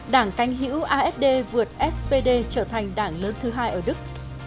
đảng cánh hữu asd vượt spd trở thành đảng lớn thứ hai ở đức